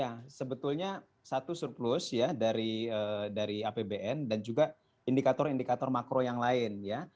ya sebetulnya satu surplus ya dari apbn dan juga indikator indikator makro yang lain ya